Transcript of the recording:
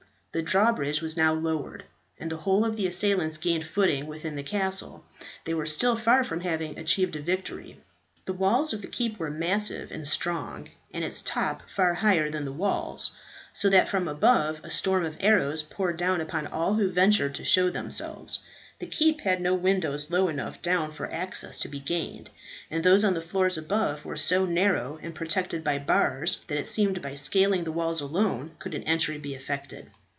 The drawbridge was now lowered, and the whole of the assailants gained footing within the castle. They were still far from having achieved a victory. The walls of the keep were massive and strong, and its top far higher than the walls, so that from above a storm of arrows poured down upon all who ventured to show themselves. The keep had no windows low enough down for access to be gained; and those on the floors above were so narrow, and protected by bars, that it seemed by scaling the walls alone could an entry be effected.